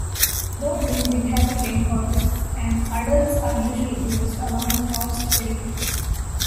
Birdwings inhabit rainforests and adults are usually glimpsed along the forest periphery.